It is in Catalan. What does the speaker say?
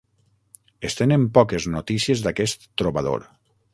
Es tenen poques notícies d'aquest trobador.